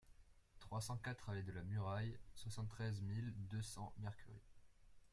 trois cent quatre allée de la Muraille, soixante-treize mille deux cents Mercury